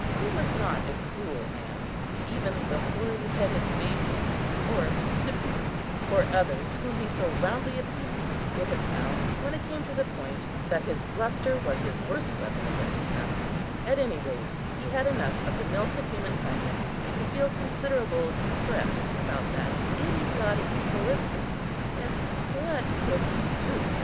He was not a cruel man: even the "hoary headed Fabian," or Cyprian, or others whom he so roundly abused, would have found, when it came to the point, that his bluster was his worst weapon against them; at any rate he had enough of the "milk of human kindness" to feel considerable distress about that idiotic Callista. Yet what could he do?